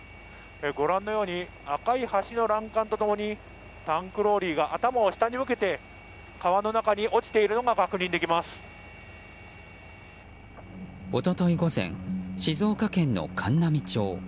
ご覧のように赤い橋の欄干と共にタンクローリーが頭を下に向けて川の中に落ちているのが一昨日午前、静岡県の函南町。